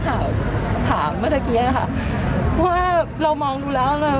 ทำงานครบ๒๐ปีได้เงินชดเฉยเลิกจ้างไม่น้อยกว่า๔๐๐วัน